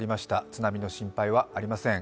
津波の心配はありません。